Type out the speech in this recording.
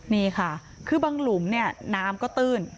นี่ค่ะคือบางหลุมเนี่ยน้ำก็ตื้น